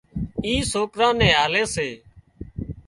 اِي سوڪران نين آلي سي